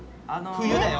冬だよ！